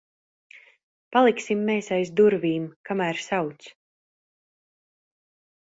Paliksim mēs aiz durvīm, kamēr sauc.